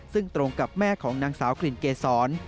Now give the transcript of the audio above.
ซึ่งตรงกับแม่ของนางสาวกลิ่นเกษร